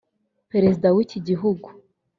Perezida w’iki gihugu